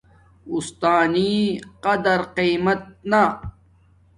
انسانی قرد قیمت نا